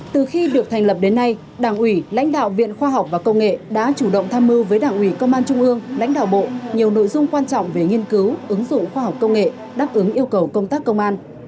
từ khi được thành lập đến nay đảng ủy lãnh đạo viện khoa học và công nghệ đã chủ động tham mưu với đảng ủy công an trung ương lãnh đạo bộ nhiều nội dung quan trọng về nghiên cứu ứng dụng khoa học công nghệ đáp ứng yêu cầu công tác công an